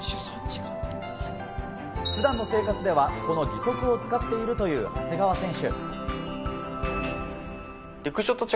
普段の生活では、この義足を使っているという長谷川選手。